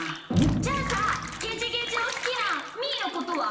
じゃあさゲジゲジをすきなみーのことは？